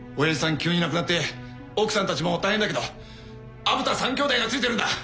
急に亡くなって奥さんたちも大変だけど虻田三兄弟がついてるんだ。